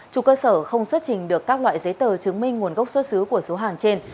chủ cơ sở không xuất trình được các loại giấy tờ chứng minh nguồn gốc xuất xứ của số hàng trên